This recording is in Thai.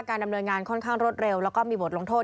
ดำเนินงานค่อนข้างรวดเร็วแล้วก็มีบทลงโทษ